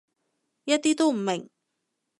一啲都唔明